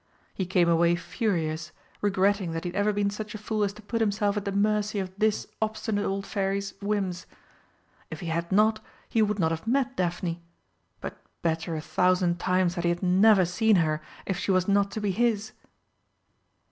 He came away furious, regretting that he had ever been such a fool as to put himself at the mercy of this obstinate old Fairy's whims. If he had not, he would not have met Daphne but better a thousand times that he had never seen her if she was not to be his!